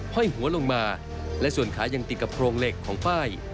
ห้อยหัวลงมาและส่วนขายังติดกับโครงเหล็กของป้าย